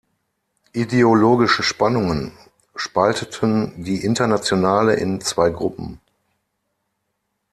Ideologische Spannungen spalteten die Internationale in zwei Gruppen.